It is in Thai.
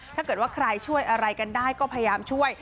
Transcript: ถ้าเกิดว่าใครช่วยอะไรกันได้ก็พยายามช่วย